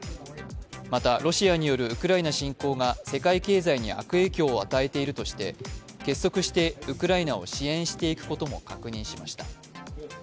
また、ロシアによるウクライナ侵攻が世界経済に悪影響を与えているとして結束してウクライナを支援していくことも確認しました。